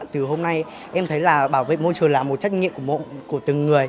từ hôm nay em thấy là bảo vệ môi trường là một trách nhiệm của từng người